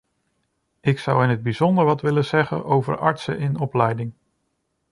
Ik zou in het bijzonder wat willen zeggen over artsen in opleiding.